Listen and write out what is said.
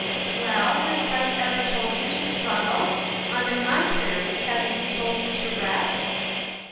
" Well, has Christ ever told you to struggle ? On the contrary, hasn't he told you to rest